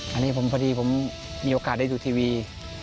อันนี้พอดีผมมีโอกาสได้ดูทีวี